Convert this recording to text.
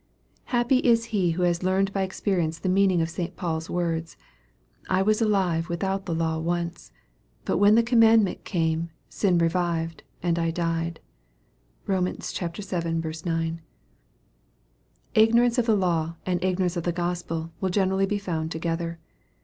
Happy is he who has learned by experience the meaning of St. Paul's words, " I was alive without the law once ; hut when the commandment came, sin revived, and I died." (Kom. vii. 9.) Igno rance of the Law and ignorance of the G ospel will gene rally he found together.